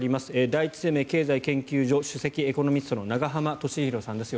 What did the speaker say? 第一生命経済研究所首席エコノミストの永濱利廣さんです。